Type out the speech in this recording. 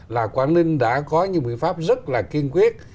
là quảng ninh đã có những biện pháp rất là kiên quyết